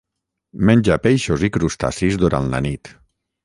Menja peixos i crustacis durant la nit.